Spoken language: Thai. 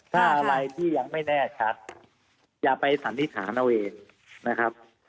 ถ้าอะไรที่ยังไม่แน่ชัดอย่าไปสันนิษฐานเอาเองนะครับ